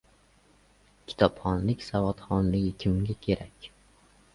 Kitobxonlik savodxonligi kimga kerak?